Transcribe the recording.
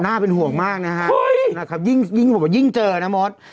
น่าเป็นห่วงมากนะครับยิ่งเจอนะมศ